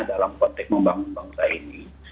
dalam konteks membangun bangsa ini